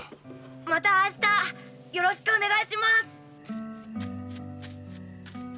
また明日よろしくお願いします！